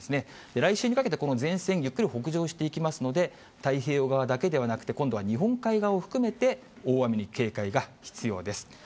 来週にかけて、この前線、ゆっくり北上していきますので、太平洋側だけではなくて、今度は日本海側を含めて、大雨に警戒が必要です。